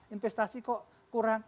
investasi kok kurang